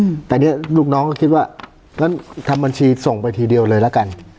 อืมแต่เนี้ยลูกน้องก็คิดว่างั้นทำบัญชีส่งไปทีเดียวเลยละกัน